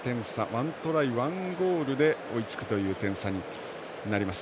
１トライ、１ゴールで追いつくという点差になります。